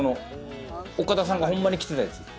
岡田さんがほんまに着てたやつ。